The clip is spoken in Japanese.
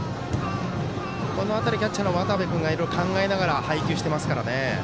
この辺りキャッチャーの渡部君がいろいろ考えながら配球してますから。